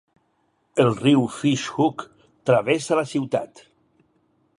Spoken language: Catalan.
El riu Fish Hook travessa la ciutat.